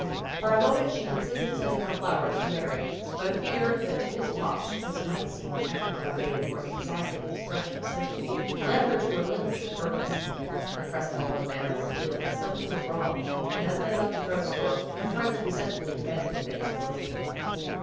For a moment she con sidered sending her flowers to Mary, but a fear that to Miss Potts this might seem an effort to evade a more exacting expression of sympa thy led her to relinquish her purpose. Her crest fallen manner revealed that something was wrong, and as they left the drug store her friends resentfully demanded an explana tion.